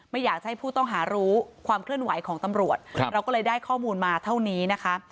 ไม่อยากจะให้ผู้ต้องหารู้ความเคลื่อนไหวของตำรวจเราก็เลยได้ข้อมูลมาเท่านี้นะคะ